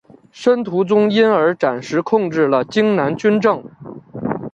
申屠琮因而暂时控制了荆南军政。